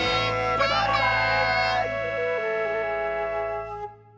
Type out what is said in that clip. バイバーイ！